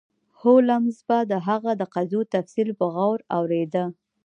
هولمز به د هغه د قضیو تفصیل په غور اوریده.